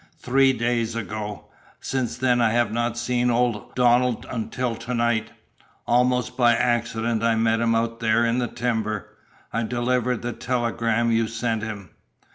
"Three days ago. Since then I have not seen old Donald until to night. Almost by accident I met him out there in the timber. I delivered the telegram you sent him.